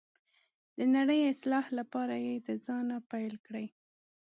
د نړۍ اصلاح لپاره یې د ځانه پیل کړئ.